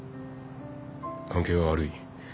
関係は悪い。